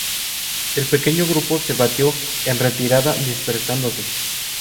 El pequeño grupo se batió en retirada, dispersándose.